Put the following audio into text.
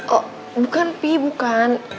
oh bukan pi bukan